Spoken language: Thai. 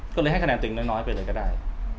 ก็เลยให้คะแนนตึงน้อยไปเลยก็ได้